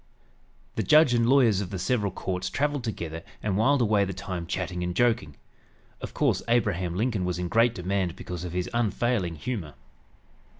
The judge and lawyers of the several courts traveled together and whiled away the time chatting and joking. Of course, Abraham Lincoln was in great demand because of his unfailing humor.